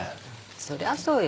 そりゃそうよ